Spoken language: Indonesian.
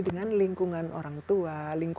dengan lingkungan orang tua